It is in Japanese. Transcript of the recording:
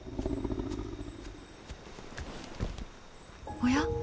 おや？